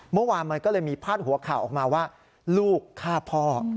เมื่อวานมันก็เลยมีพาดหัวข่าวออกมาว่าลูกฆ่าพ่อ